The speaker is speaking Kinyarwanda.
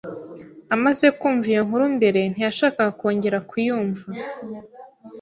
Amaze kumva inkuru mbere, ntiyashakaga kongera kuyumva.